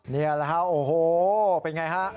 นี่แหละฮะโอ้โหเป็นไงฮะ